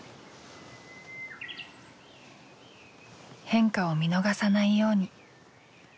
変化を見逃さないように。